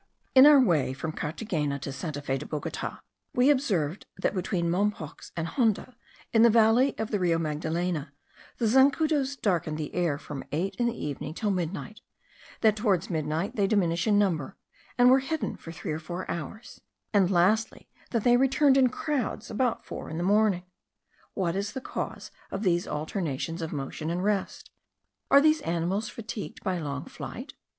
In our way from Carthagena to Santa Fe de Bogota, we observed that between Mompox and Honda, in the valley of the Rio Magdalena, the zancudos darkened the air from eight in the evening till midnight; that towards midnight they diminished in number, and were hidden for three or four hours; and lastly that they returned in crowds, about four in the morning. What is the cause of these alternations of motion and rest? Are these animals fatigued by long flight?